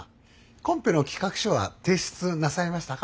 コンペの企画書は提出なさいましたか？